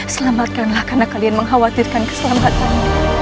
selamatkanlah karena kalian mengkhawatirkan keselamatanmu